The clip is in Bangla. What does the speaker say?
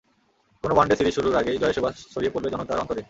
কোনো ওয়ানডে সিরিজ শুরুর আগেই জয়ের সুবাস ছড়িয়ে পড়বে জনতার অন্তরে।